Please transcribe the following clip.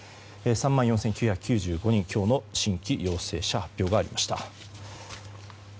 ３万４９９５人、今日の新規陽性者発表がありました。